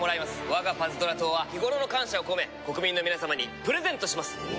我がパズドラ党は日ごろの感謝を込め国民の皆様にプレゼントします。